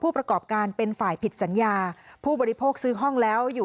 ประกอบการเป็นฝ่ายผิดสัญญาผู้บริโภคซื้อห้องแล้วอยู่